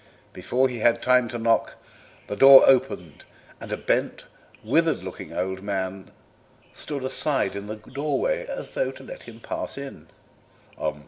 Before he had time to knock the door opened and a bent, withered looking old man stood aside in the doorway as though to let him pass in.